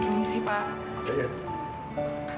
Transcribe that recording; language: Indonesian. gini sih pak